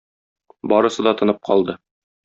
Барысы да тынып калды.